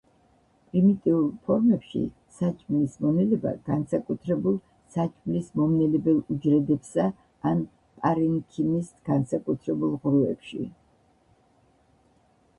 პრიმიტიულ ფორმებში საჭმლის მონელება განსაკუთრებულ საჭმლის მომნელებელ უჯრედებსა ან პარენქიმის განსაკუთრებულ ღრუებში.